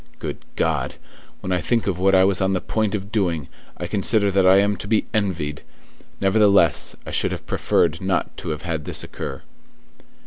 Good God! When I think of what I was on the point of doing, I consider that I am to be envied. Nevertheless, I should have preferred not to have had this occur."